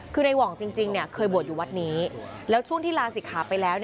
คือในหว่องจริงเคยบวชอยู่วัดนี้แล้วช่วงที่ลาศิกขาไปแล้ว